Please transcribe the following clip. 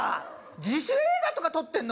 自主映画とか撮ってんの？